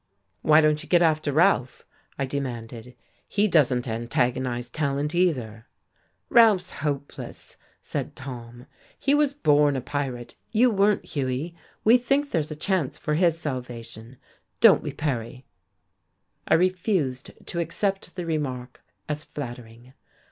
"Why don't you get after Ralph?" I demanded. "He doesn't antagonize Tallant, either." "Ralph's hopeless," said Tom. "He was born a pirate, you weren't, Hughie. We think there's a chance for his salvation, don't we, Perry?" I refused to accept the remark as flattering.